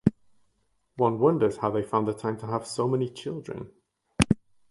One wonders how they found the time to have so many children.